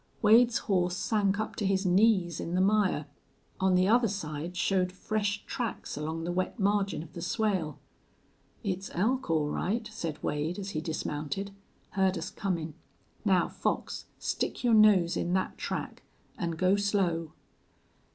Wade's horse sank up to his knees in the mire. On the other side showed fresh tracks along the wet margin of the swale. "It's elk, all right," said Wade, as he dismounted. "Heard us comin'. Now, Fox, stick your nose in that track. An' go slow."